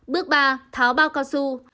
bước ba tháo bao cao su